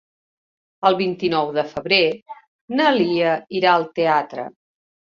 El vint-i-nou de febrer na Lia irà al teatre.